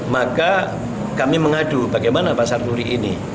maka kami mengadu bagaimana pasar turi